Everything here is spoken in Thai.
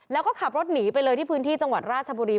แล้วก็ขับรถหนีไปเลยที่พื้นที่จังหวัดราชบุรี